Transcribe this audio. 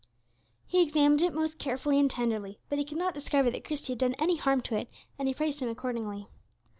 He examined it most carefully and tenderly, but he could not discover that Christie had done any harm to it, and he praised him accordingly.